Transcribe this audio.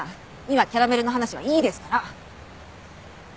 今キャラメルの話はいいですから！